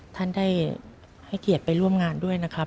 ท่านได้ให้เกียรติไปร่วมงานด้วยนะครับ